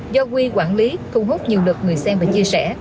do huy quản lý thu hút nhiều lực người xem và chia sẻ